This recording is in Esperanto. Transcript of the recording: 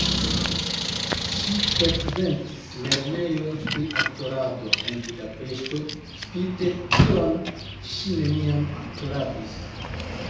Ŝi frekventis lernejon pri aktorado en Budapeŝto, spite tion ŝi neniam aktoradis.